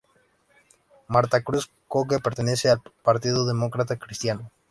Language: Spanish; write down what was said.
Marta Cruz-Coke pertenece al Partido Demócrata Cristiano.